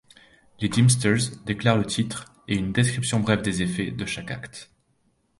Les deemsters déclarent le titre, et une description brève des effets, de chaque acte.